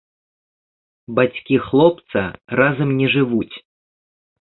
Бацькі хлопца разам не жывуць.